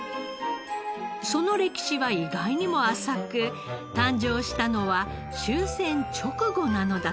その歴史は意外にも浅く誕生したのは終戦直後なのだとか。